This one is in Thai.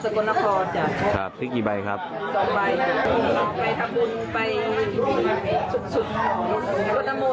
วัดสกลนพรจากครับซึ่งกี่ใบครับสองใบไปทำบุญไปสุดสุด